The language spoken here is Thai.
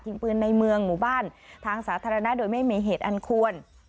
ยิงปืนในเมืองหมู่บ้านทางสาธารณะโดยไม่มีเหตุอันควร